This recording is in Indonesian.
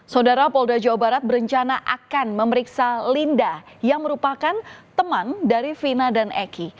saudara polda jawa barat berencana akan memeriksa linda yang merupakan teman dari vina dan eki